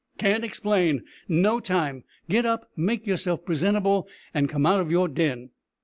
"Can't explain. No time. Get up, make yourself presentable, and come out of your den."